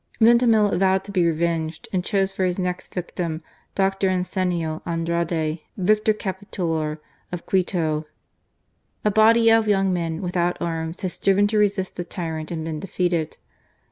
Vintimilla vowed to be revenged, and chose for his next victim, Dr. Ansenio Andrade, Vicar Capitular THE DICTATOR VINTIMILLA. 321 of Quito. A body of young men, without arms, had striven to resist the tyrant and been defeated.